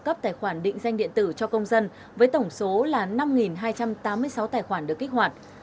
cấp tài khoản định danh điện tử cho công dân với tổng số là năm hai trăm tám mươi sáu tài khoản được kích hoạt